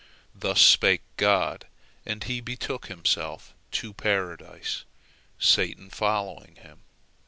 Thus spake God, and He betook Himself to Paradise, Satan following Him.